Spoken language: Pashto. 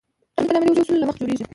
جمله د ګرامري اصولو له مخه جوړیږي.